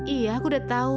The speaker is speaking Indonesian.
iya aku udah tahu